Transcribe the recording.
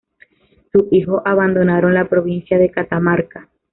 Sus hijos abandonaron la provincia de Catamarca.